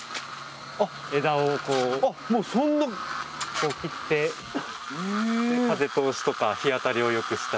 こう切って風通しとか日当たりを良くしたり。